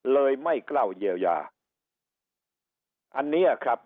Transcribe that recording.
เลยไม่เกล้าเยียวยาอันนี้อ่ะครับ